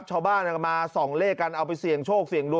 ชาวบ้านก็มาส่องเลขกันเอาไปเสี่ยงโชคเสี่ยงดวง